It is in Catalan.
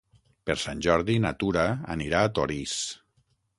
Per Sant Jordi na Tura anirà a Torís.